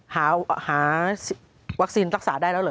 หาวัคซีนรักษาได้แล้วเหรอ